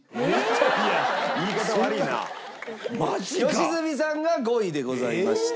良純さんが５位でございました。